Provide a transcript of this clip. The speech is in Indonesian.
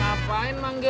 bukan tewas environment nya